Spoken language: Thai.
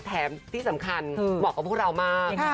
แถมที่สำคัญเหมาะกับพวกเรามาก